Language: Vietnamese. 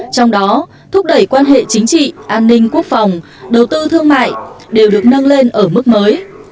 trong đó thúc đẩy quan hệ chính trị an ninh quốc phòng đầu tư thương mại đều được nâng lên ở mức mới